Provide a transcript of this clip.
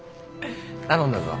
頼んだぞ。